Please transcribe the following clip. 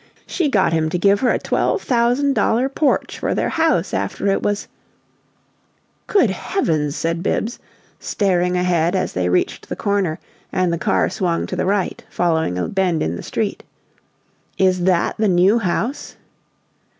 She got him to give her a twelve thousand dollar porch for their house after it was " "Good heavens!" said Bibbs, staring ahead as they reached the corner and the car swung to the right, following a bend in the street. "Is that the New House?"